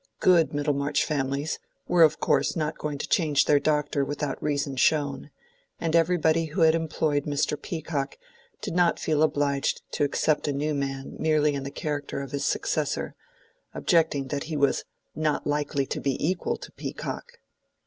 Good Middlemarch families were of course not going to change their doctor without reason shown; and everybody who had employed Mr. Peacock did not feel obliged to accept a new man merely in the character of his successor, objecting that he was "not likely to be equal to Peacock."